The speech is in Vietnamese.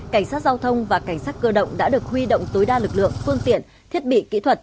cảnh sát giao thông và cảnh sát cơ động đã được huy động tối đa lực lượng phương tiện thiết bị kỹ thuật